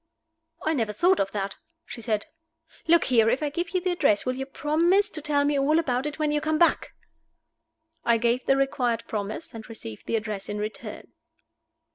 "I never thought of that," she said. "Look here! if I give you the address, will you promise to tell me all about it when you come back?" I gave the required promise, and received the address in return.